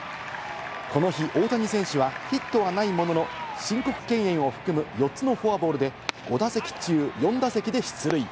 この日、大谷選手はヒットはないものの、申告敬遠を含む４つのフォアボールで５打席中４打席で出塁。